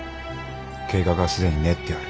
計画は既に練ってある。